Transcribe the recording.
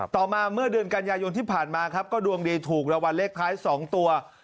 ต่อมาเมื่อเดือนกันยายนที่ผ่านมาครับก็ดวงดีถูกรางวัลเลขท้าย๒ตัว